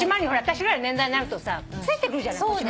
私ぐらいの年代になるとさついてくるじゃない腰回り。